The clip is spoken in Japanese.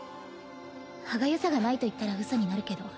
歯がゆさがないと言ったらうそになるけど。